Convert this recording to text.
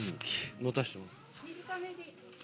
持たせてもらえ。